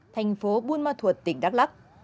thành phố buôn ma thuật tỉnh đắk lắk